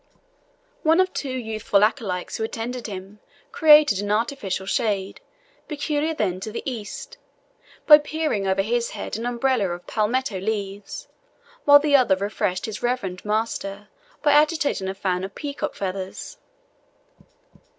One of two youthful acolytes who attended him created an artificial shade, peculiar then to the East, by bearing over his head an umbrella of palmetto leaves, while the other refreshed his reverend master by agitating a fan of peacock feathers.